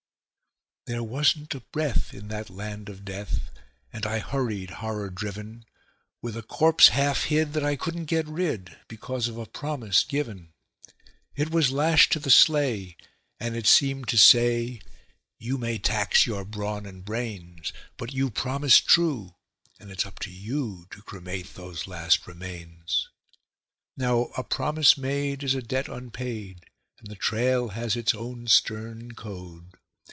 There wasn't a breath in that land of death, and I hurried, horror driven, With a corpse half hid that I couldn't get rid, because of a promise given; It was lashed to the sleigh, and it seemed to say: "You may tax your brawn and brains, But you promised true, and it's up to you to cremate those last remains." Now a promise made is a debt unpaid, and the trail has its own stern code.